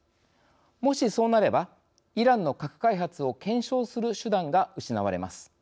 もしそうなればイランの核開発を検証する手段が失われます。